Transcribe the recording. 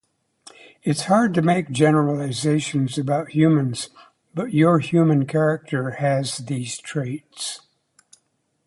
It’s hard to make generalizations about humans, but your human character has these traits